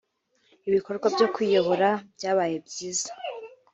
Ibikorwa byo kwibohora byabaye byiza